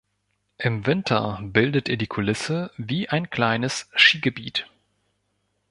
Im Winter bildet er die Kulisse für ein kleines Skigebiet.